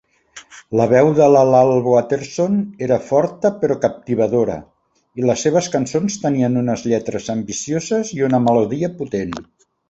La veu de Lal Waterson era forta però captivadora, i les seves cançons tenien unes lletres ambicioses i una melodia potent.